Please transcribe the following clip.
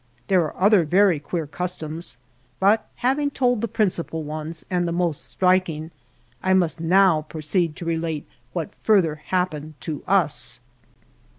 There are other very queer customs, but having told the principal ones and the most striking, I must now proceed to relate what further happened to us.